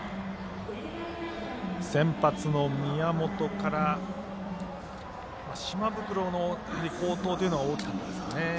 先発の宮本から島袋の好投が大きかったですかね。